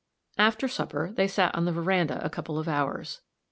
After supper, they sat on the veranda a couple of hours.